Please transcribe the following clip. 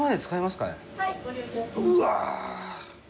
うわ！